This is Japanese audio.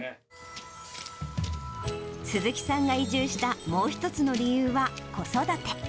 鈴木さんが移住したもう一つの理由は子育て。